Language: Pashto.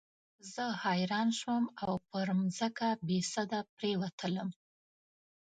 زه حیران شوم او پر مځکه بېسده پرېوتلم.